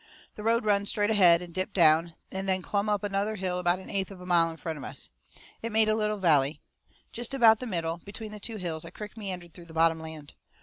The road run straight ahead, and dipped down, and then clumb up another hill about an eighth of a mile in front of us. It made a little valley. Jest about the middle, between the two hills, a crick meandered through the bottom land.